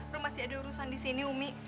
prof masih ada urusan di sini umi